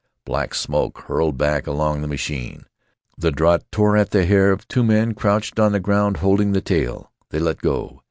Black smoke hurled back along the machine. The draught tore at the hair of two men crouched on the ground holding the tail. They let go.